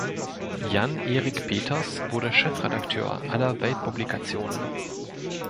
Jan-Eric Peters wurde Chefredakteur aller "Welt"-Publikationen.